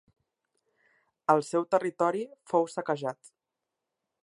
El seu territori fou saquejat.